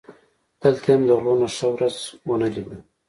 دلته یې هم له غلو نه ښه ورځ و نه لیده.